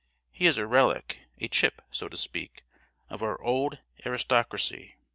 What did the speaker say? "He is a relic, a chip, so to speak, of our old aristocracy.